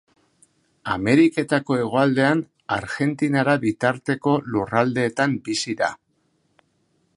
Ameriketako hegoaldean, Argentinara bitarteko lurraldeetan bizi da.